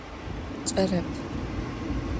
Ç'erep.